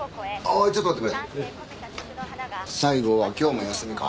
おいちょっと待ってくれ西郷は今日も休みか？